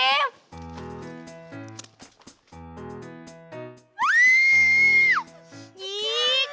aduh aduh aduh